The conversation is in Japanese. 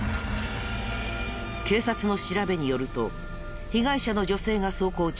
警察の調べによると被害者の女性が走行中。